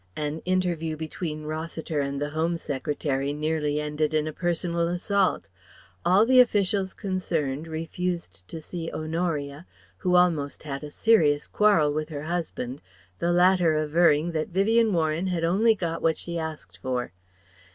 An interview between Rossiter and the Home Secretary nearly ended in a personal assault. All the officials concerned refused to see Honoria, who almost had a serious quarrel with her husband, the latter averring that Vivien Warren had only got what she asked for.